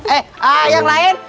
eh yang lain